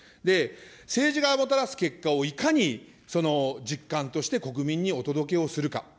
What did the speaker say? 政治がもたらす結果を、いかに実感として国民にお届けをするか。